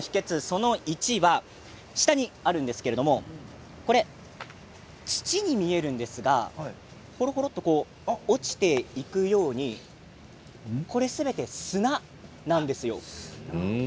その１は下にあるんですけれどこちらは土に見えるんですがほろほろと落ちていくようにすべて砂なんです。